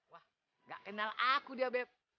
wah ngga kenal aku dia beb